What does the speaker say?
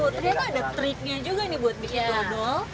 ternyata ada triknya juga nih buat bikin dodol